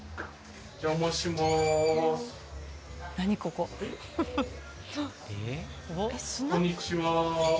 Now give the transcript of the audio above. こんにちは。